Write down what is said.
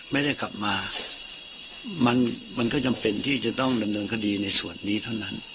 ไม่ได้กลับมามันมันก็จำเป็นที่จะต้องดำเนินคดีในส่วนนี้เท่านั้น